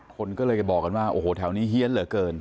คนก็เลยไปบอกกันว่าโอ้โหแถวนี้เฮียนเหลือเกิน